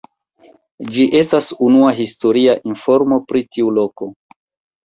Ĝi estas unua historia informo pri tiu loko.